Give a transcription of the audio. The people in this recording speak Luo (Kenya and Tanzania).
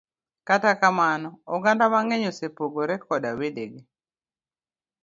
Kata kamano, oganda mang'eny, osepogre koda wedegi.